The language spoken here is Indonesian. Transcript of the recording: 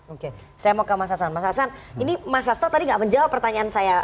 oke saya mau ke mas sasan mas sasan ini mas sastro tadi gak menjawab pertanyaan saya